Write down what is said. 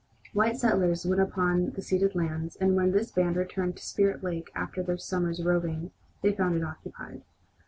White settlers went upon the ceded lands, and when this band returned to Spirit Lake after their summer's roving they found it occupied.